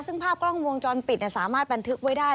ซึ่งภาพกล้องวงจรปิดสามารถบันทึกไว้ได้